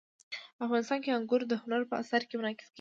افغانستان کې انګور د هنر په اثار کې منعکس کېږي.